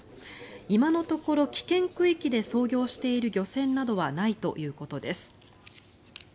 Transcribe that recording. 今のところ危険区域で操業している漁船などはないということです。